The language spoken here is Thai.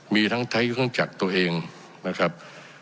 มีทั้งใช้เครื่องจักรตัวเองนะครับ